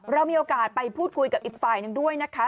เรามีโอกาสไปพูดคุยกับอีกฝ่ายหนึ่งด้วยนะคะ